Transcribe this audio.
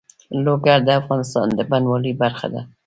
لوگر د افغانستان د بڼوالۍ برخه ده.